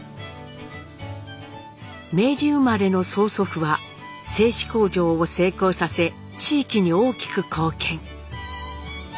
明治生まれの曽祖父は製糸工場を成功させ地域に大きく貢献。